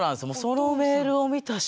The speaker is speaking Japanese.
そのメールを見た瞬間